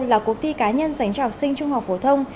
là cuộc thi cá nhân dành cho học sinh trung học phổ thông